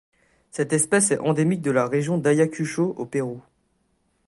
Cette espèce est endémique de la région d'Ayacucho au Pérou.